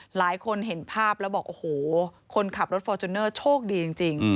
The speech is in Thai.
หลายคนเห็นภาพแล้วบอกโอ้โหคนขับรถฟอร์จูเนอร์โชคดีจริง